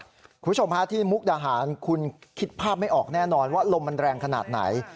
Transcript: คุณผู้ชมฮะที่มุกดาหารคุณคิดภาพไม่ออกแน่นอนว่าลมมันแรงขนาดไหน